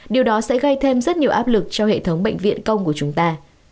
điều đó sẽ gây thêm rất nhiều áp lực cho hệ thống bệnh viện công của chúng ta